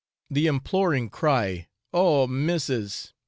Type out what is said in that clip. The imploring cry, 'Oh missis!'